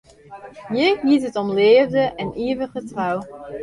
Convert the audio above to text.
Hjir giet it om leafde en ivige trou.